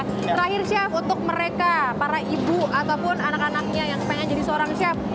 terakhir chef untuk mereka para ibu ataupun anak anaknya yang pengen jadi seorang chef